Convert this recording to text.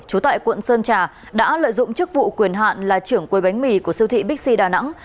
trú tại quận sơn trà đã lợi dụng chức vụ quyền hạn là trưởng quấy bánh mì của siêu thị bixi đà nẵng